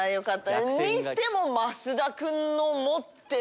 にしても増田君の持ってる。